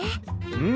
うん！